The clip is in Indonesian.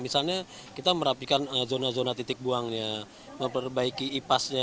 misalnya kita merapikan zona zona titik buangnya memperbaiki ipasnya